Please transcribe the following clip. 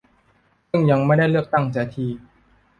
ซึ่งยังไม่ได้เลือกตั้งเสียที